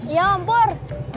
iya om pur